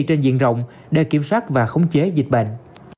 trên diện rộng để kiểm soát và khống chế dịch bệnh